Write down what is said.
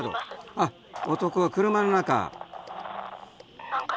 あっ男は車の中。